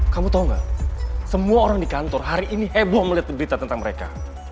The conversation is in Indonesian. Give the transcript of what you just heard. kamu tau gak semua orang di kantor hari ini heboh melihat berita tentang mereka